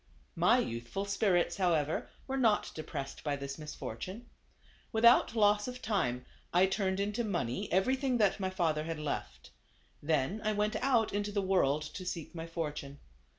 My youthful spirits, however, were not de pressed by this misfortune. Without loss of time I turned into money everything that my THE CAB AVAN. iOS father had left. Then I went out into the world to seek my fortune.